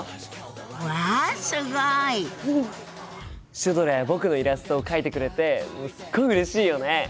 シュドラや僕のイラストを描いてくれてすっごいうれしいよね！